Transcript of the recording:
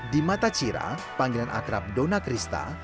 di mata cira panggilan akrab dona krista